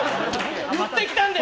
言ってきたんだよ